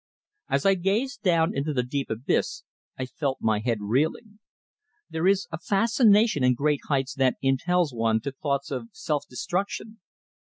As I gazed down into the deep abyss I felt my head reeling. There is a fascination in great heights that impels one to thoughts of self destruction.